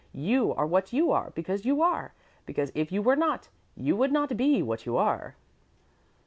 You are what you are because you are, because if you were not, you would not be what you are."